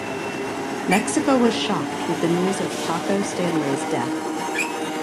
Mexico was shocked with the news of Paco Stanley's death.